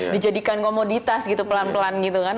dijadikan komoditas gitu pelan pelan gitu kan